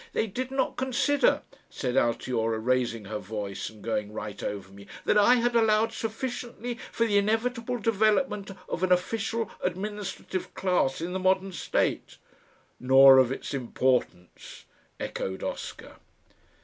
"They did not consider," said Altiora, raising her voice and going right over me, "that I had allowed sufficiently for the inevitable development of an official administrative class in the modern state." "Nor of its importance," echoed Oscar.